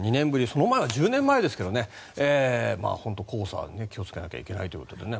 その前は１０年前ですけど本当、黄砂には気をつけなきゃいけないと思いますね。